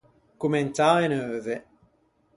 Commentâ e neuve.